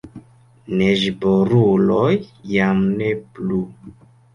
Neĝboruloj jam ne plu.